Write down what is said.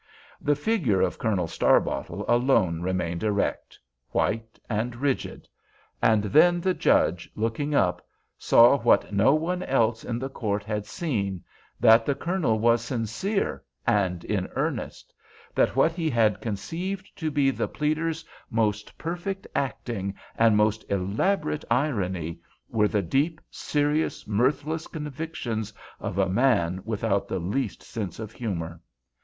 The figure of Colonel Starbottle alone remained erect—white and rigid. And then the Judge, looking up, saw what no one else in the court had seen—that the Colonel was sincere and in earnest; that what he had conceived to be the pleader's most perfect acting, and most elaborate irony, were the deep, serious, mirthless convictions of a man without the least sense of humor.